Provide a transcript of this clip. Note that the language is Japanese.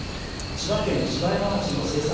千葉県芝山町の生産